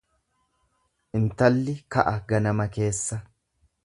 Intalli ka'a ganama keessa.